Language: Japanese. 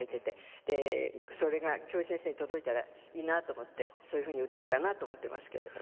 でそれが京平先生に届いたらいいなと思ってそういうふうに歌おうかなと思ってますけれども。